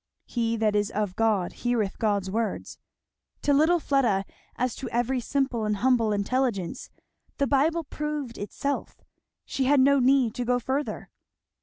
"He that is of God heareth God's words." To little Fleda, as to every simple and humble intelligence, the Bible proved itself; she had no need to go further.